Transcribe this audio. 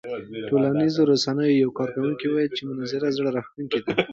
ټولنیزو رسنیو یو کاروونکي وویل چې منظره زړه راښکونکې ده.